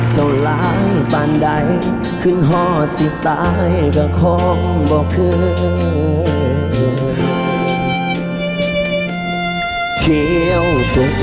จริงกับกับเพลงปลงครับครับผม